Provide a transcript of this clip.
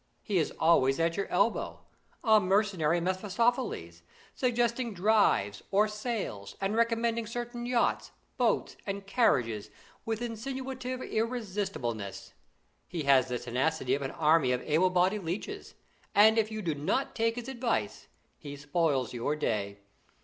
He is always at your elbow a mercenary Mephistopheles suggesting drives or sails, and recommending certain yachts, boats, and carriages with insinuative irresistibleness. He has the tenacity of an army of able bodied leeches, and if you do not take his advice he spoils your day.